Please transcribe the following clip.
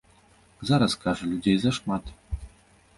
Зараз, кажа, людзей зашмат.